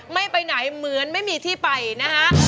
ไม่ไปไหนเหมือนไม่มีที่ไปนะฮะ